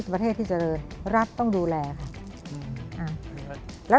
ประเทศที่เจริญรัฐต้องดูแลค่ะ